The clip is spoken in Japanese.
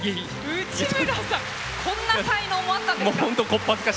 内村さん、こんな才能もあったんですか？